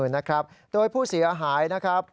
นะครับโดยผู้เสียหายนะครับ